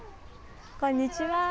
こんにちは。